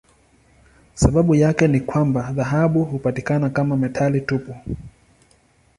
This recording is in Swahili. Sababu yake ni kwamba dhahabu hupatikana kama metali tupu.